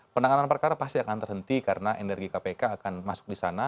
penanganan perkara pasti akan terhenti karena energi kpk akan masuk di sana